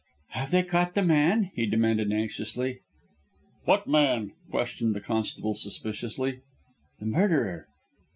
"Have they caught the man?" he demanded anxiously. "What man?" questioned the constable suspiciously. "The murderer."